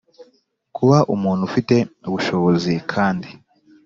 kuba umuntu ufite ubushobozi kandi